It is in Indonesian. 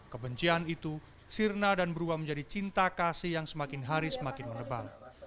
kebencian itu sirna dan berubah menjadi cinta kasih yang semakin hari semakin menebang